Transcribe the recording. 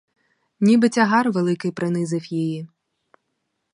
Ніби тягар великий принизив її.